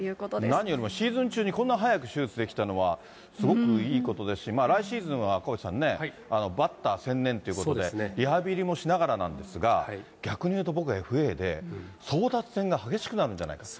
何よりもシーズン中にこんなに早く手術できたのは、すごくいいことですし、来シーズンは赤星さんね、バッター専念ということで、リハビリもしながらなんですが、逆に言うと、僕は、ＦＡで、争奪戦が激しくなるんじゃないかと。